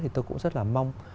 tôi cũng rất là mong